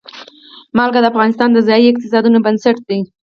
نمک د افغانستان د ځایي اقتصادونو بنسټ دی.